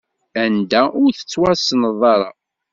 Anda ur tettwasenḍ ara.